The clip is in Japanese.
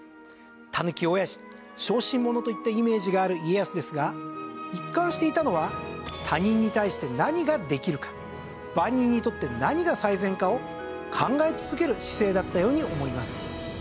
たぬきおやじ小心者といったイメージがある家康ですが一貫していたのは万人にとって何が最善かを考え続ける姿勢だったように思います。